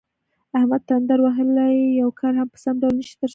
احمد تندر وهلی یو کار هم په سم ډول نشي ترسره کولی.